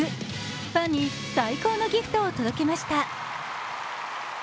ファンに最高のギフトを届けました。